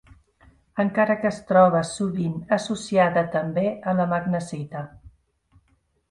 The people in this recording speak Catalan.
Encara que es troba, sovint, associada també a la magnesita.